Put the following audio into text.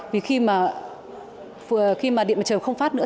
vì khi mà điện mặt trời không phát nữa